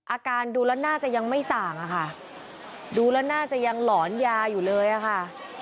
อาการดูแล้วน่าจะยังไม่ส่างอะค่ะดูแล้วน่าจะยังหลอนยาอยู่เลยอะค่ะ